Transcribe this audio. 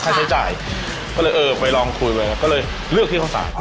ใช้จ่ายก็เลยเออไปลองคุยไว้ครับก็เลยเลือกที่เข้าสาร